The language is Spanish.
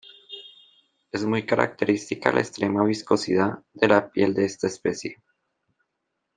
Es muy característica la extrema viscosidad de la piel de esta especie.